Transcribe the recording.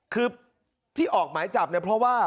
คือที่ออกหมายจับเนี่ยเพราะว่า